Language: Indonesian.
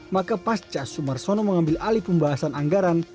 maka pas cah sumarsono mengambil alih pembahasan anggaran